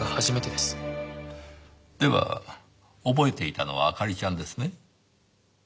では覚えていたのは明里ちゃんですね？